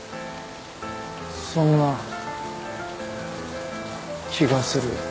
そんな気がする。